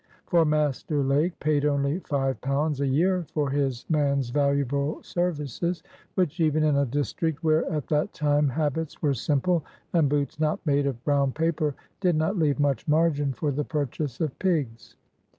For Master Lake paid only five pounds a year for his man's valuable services, which, even in a district where at that time habits were simple, and boots not made of brown paper, did not leave much margin for the purchase of pigs.